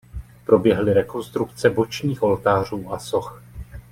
Proběhly rekonstrukce bočních oltářů a soch.